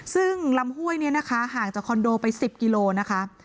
ซึ่งลำห้วยห่างจากคอนโดไป๑๐กิโลกรัม